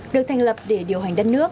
được thành lập để điều hành đất nước